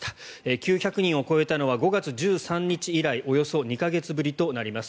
９００人を超えたのは５月１３日以来およそ２か月ぶりとなります。